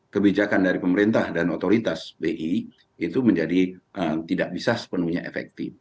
kebijakan dari pemerintah dan otoritas bi itu menjadi tidak bisa sepenuhnya efektif